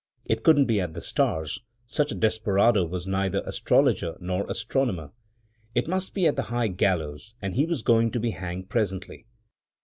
It couldn't be at the stars; such a desperado was neither astrologer nor astronomer. It must be at the high gallows, and he was going to be hanged presently.